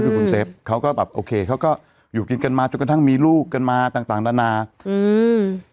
คือคุณเซฟเขาก็แบบโอเคเขาก็อยู่กินกันมาจนกระทั่งมีลูกกันมาต่างต่างนานาอืม